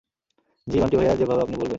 জি, বান্টি-ভাইয়া, যেভাবে আপনি বলবেন।